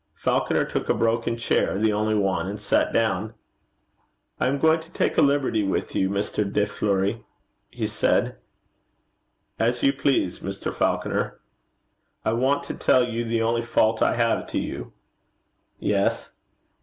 Falconer took a broken chair, the only one, and sat down. 'I am going to take a liberty with you, Mr. De Fleuri,' he said. 'As you please, Mr. Falconer.' 'I want to tell you the only fault I have to you.' 'Yes?'